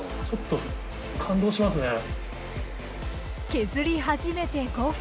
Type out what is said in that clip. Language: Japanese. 削り始めて５分。